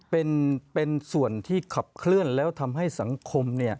เป็นส่วนที่ขับเคลื่อนแล้วทำให้สังคม